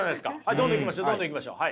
どんどんいきましょう。